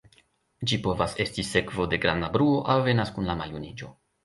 Ĝi povas esti sekvo de granda bruo, aŭ venas kun la maljuniĝo.